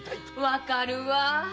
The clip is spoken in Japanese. わかるわ。